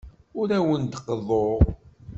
Ur awent-d-qeḍḍuɣ.